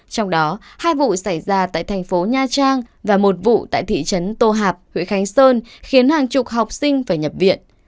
trong đó hai vụ xảy ra tại thành phố nha trang và một vụ tại thị trấn tô hạp huyện khánh sơn khiến hàng chục học sinh phải nhập viện